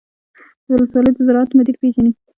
د ولسوالۍ د زراعت مدیر پیژنئ؟